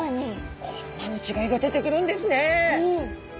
こんなに違いが出てくるんですね。